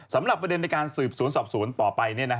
สำหรับประเด็นในการสืบศูนย์ต่อไป